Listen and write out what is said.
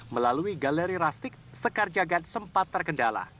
melalui galeri rustik sekar jagad sempat terkendala